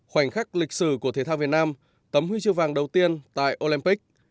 khoảnh khắc lịch sử của thể thao việt nam tấm huy chương vàng đầu tiên tại olympic